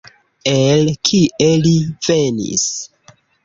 El kie li venis?